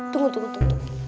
tunggu tunggu tunggu